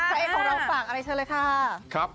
พระเอกของเราฝากอะไรเชิญเลยค่ะ